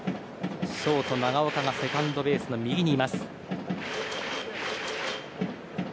ショート、長岡がセカンドベースの右にいます。